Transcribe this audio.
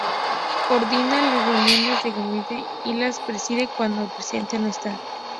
Coordina las reuniones de gabinete y las preside cuando el presidente no está.